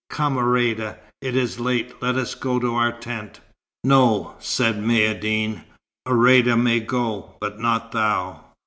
Come Ourïeda, it is late. Let us go to our tent." "No," said Maïeddine. "Ourïeda may go, but not thou."